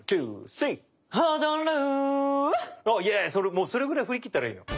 もうそれぐらい振り切ったらいいよ。